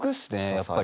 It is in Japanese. やっぱり。